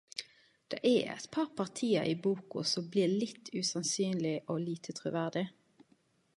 Det er eit par partier i boka som blir litt usannsynlig og lite truverdigt.